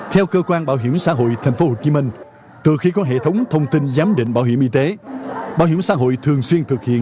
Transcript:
theo cơ quan bảo hiểm xã hội tp hcm từ khi có hệ thống thông tin giám định bảo hiểm y tế